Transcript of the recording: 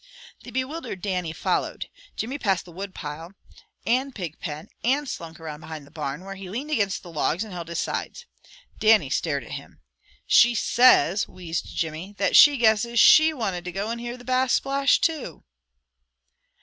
The bewildered Dannie followed. Jimmy passed the wood pile, and pig pen, and slunk around behind the barn, where he leaned against the logs and held his sides. Dannie stared at him. "She says," wheezed Jimmy, "that she guesses SHE wanted to go and hear the Bass splash, too!"